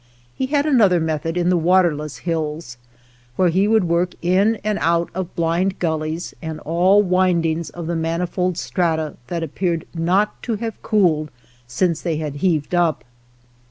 He had another method in the waterless hills, where he would work in and out of blind gullies and atl wTTTdings of the manifold strata that appeared not to have cooled since they had been heaved ^7 THE POCKET HUNTER up.